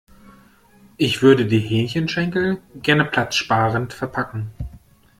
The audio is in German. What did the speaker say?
Ich würde die Hähnchenschenkel gerne platzsparend verpacken.